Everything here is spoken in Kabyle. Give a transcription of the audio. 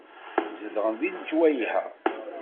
Zedɣen deg lejwayeh-a.